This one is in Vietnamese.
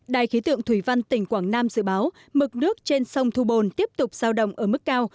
đài khí tượng thủy văn tỉnh quảng nam dự báo mực nước trên sông thu bồn tiếp tục giao động ở mức cao